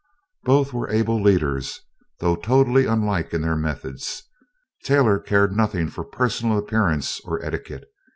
Both were able leaders, though totally unlike in their methods. Taylor cared nothing for personal appearance or etiquette.